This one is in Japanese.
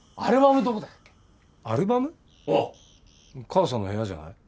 母さんの部屋じゃない？